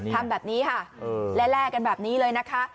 ทำแบบนี้ค่ะแล่กันแบบนี้เลยนะคะ